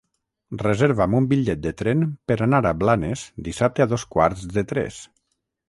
Reserva'm un bitllet de tren per anar a Blanes dissabte a dos quarts de tres.